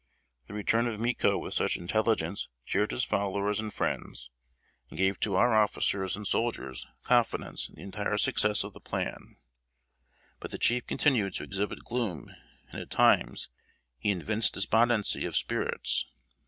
The return of Micco with such intelligence cheered his followers and friends, and gave to our officers and soldiers confidence in the entire success of the plan; but the chief continued to exhibit gloom, and at times he evinced despondency of spirits.